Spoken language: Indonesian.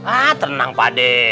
ah tenang pak d